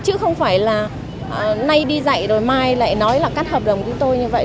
chứ không phải là nay đi dạy rồi mai lại nói là cắt hợp đồng chúng tôi như vậy